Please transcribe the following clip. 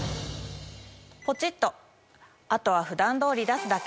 ポチっとあとは普段通り出すだけ。